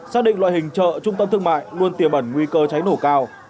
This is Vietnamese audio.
xác định loại hình chợ trung tâm thương mại luôn tiềm ẩn nguy cơ cháy nổ cao